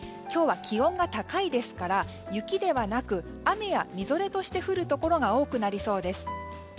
今日は気温が高いですから雪ではなく雨やみぞれとして降るところが多くなりそうです。